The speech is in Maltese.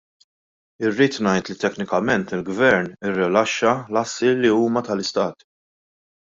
Irrid ngħid li teknikament il-Gvern irrilaxxa l-assi li huma tal-Istat.